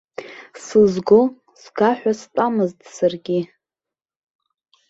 Сызго, сга ҳәа стәамызт саргьы.